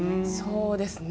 そうですね。